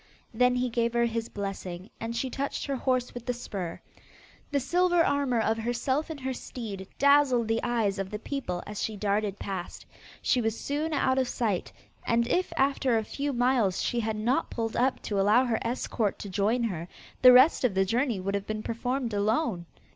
Then he gave her his blessing, and she touched her horse with the spur. The silver armour of herself and her steed dazzled the eyes of the people as she darted past. She was soon out of sight, and if after a few miles she had not pulled up to allow her escort to join her, the rest of the journey would have been performed alone.